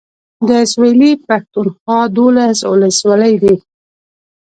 د سويلي پښتونخوا دولس اولسولۍ دي.